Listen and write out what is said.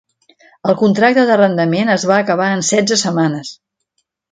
El contracte d'arrendament es va acabar en setze setmanes.